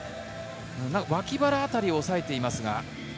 脇腹たり押さえています。